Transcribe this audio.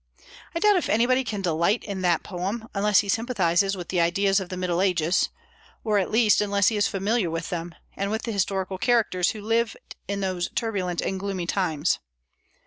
I doubt if anybody can delight in that poem, unless he sympathizes with the ideas of the Middle Ages; or, at least, unless he is familiar with them, and with the historical characters who lived in those turbulent and gloomy times.